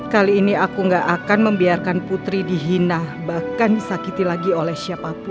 kali ini aku gak akan membiarkan putri dihina bahkan disakiti lagi oleh siapapun